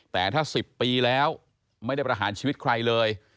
แต่ถ้า๑๐ปีแล้วไม่ได้ประหารชีวิตใครเลย